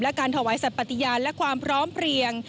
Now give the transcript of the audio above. และการถวายสัตว์ปฏิญาณและความพร้อมเพลียง